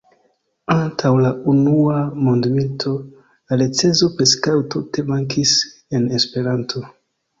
Antaŭ la unua mondmilito la recenzo preskaŭ tute mankis en Esperanto.